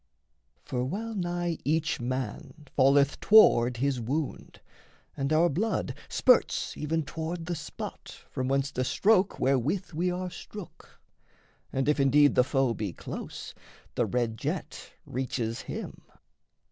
For well nigh each man falleth toward his wound, And our blood spurts even toward the spot from whence The stroke wherewith we are strook, and if indeed The foe be close, the red jet reaches him.